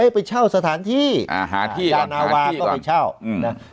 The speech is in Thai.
เฮ้ยไปเช่าสถานที่อ่าหาที่ก่อนอ่านาวาก็ไปเช่าอืมน่ะ